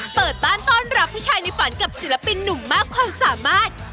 เปิดบ้านต้อนรับผู้ชายในฝันกับศิลปินหนุ่มมากความสามารถ